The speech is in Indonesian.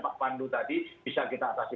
pak pandu tadi bisa kita atasi